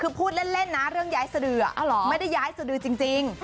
คือพูดเล่นนะเรื่องย้ายสดือไม่ได้ย้ายสดือจริง